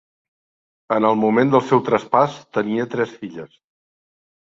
En el moment del seu traspàs tenia tres filles: